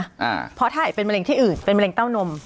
อ่าเพราะถ้าไอเป็นมะเร็งที่อื่นเป็นมะเร็งเต้านม